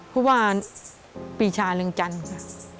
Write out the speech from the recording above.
เพราะว่าปีชาเริ่มจันทร์ค่ะ